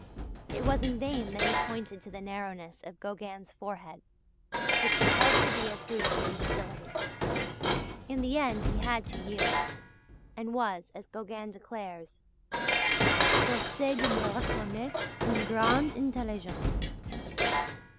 It was in vain that he pointed to the narrowness of Gauguin's forehead, which he held to be a proof of imbecility; in the end he had to yield, and was, as Gauguin declares: "forcé de me reconnaitre une grande intelligence."